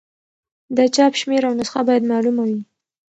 د چاپ شمېر او نسخه باید معلومه وي.